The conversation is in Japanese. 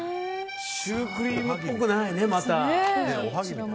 シュークリームっぽくないね。